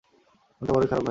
মনটা বড়ই খারাপ ভাই সাহেব।